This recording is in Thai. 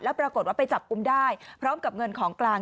ปรากฏว่าไปจับกุมได้พร้อมกับเงินของกลาง